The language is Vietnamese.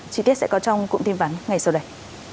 chi tiết sẽ có trong cụm tin vắn ngay sau đây